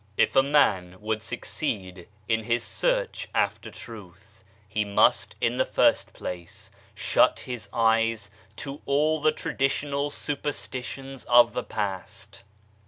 If a man would succeed in his search after Truth, he must, in the first place, shut his eyes to all the traditional superstitions of the past.